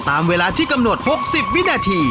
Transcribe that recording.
ตามเวลาที่กำหนด๖๐วินาที